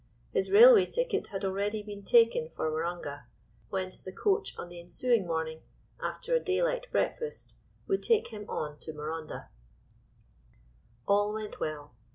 His railway ticket had already been taken for Waronga, whence the coach on the ensuing morning, after a daylight breakfast, would take him on to Marondah. All went well.